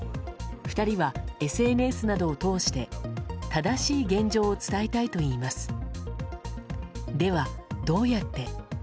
２人はＳＮＳなどを通して正しい現状を伝えたいといいます。